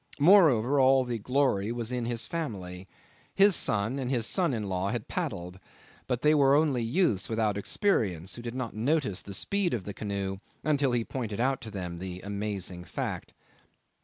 Moreover, all the glory was in his family. His son and his son in law had paddled; but they were only youths without experience, who did not notice the speed of the canoe till he pointed out to them the amazing fact.